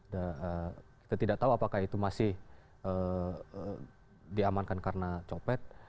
dan eh kita tidak tahu apakah itu masih eh eh diamankan karena copet